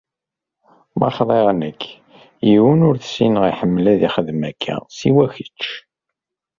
Ma xḍiɣ nekk, yiwen ur t-ssineɣ iḥemmel ad ixdem akka siwa kečč.